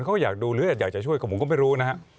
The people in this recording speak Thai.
เขาอยากดูหรืออยากจะช่วยก็ผมก็ไม่รู้นะฮะ